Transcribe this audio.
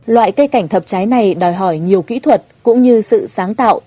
loại cây cảnh thập trái này đòi hỏi nhiều kỹ thuật cũng như sự sáng tạo